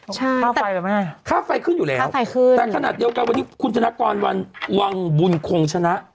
ใช่ค่าไฟขึ้นอยู่แล้วแต่ขนาดเดียวกันวันนี้คุณชนะกรวรรณวังบุญคงชนะ